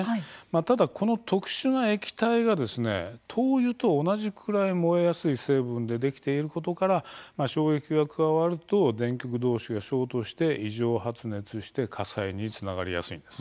ただ、この特殊な液体が灯油と同じくらい燃えやすい成分でできていることから衝撃が加わると電極同士がショートして異常発熱して火災につながりやすいんです。